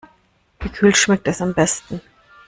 Gekühlt schmeckt es am besten.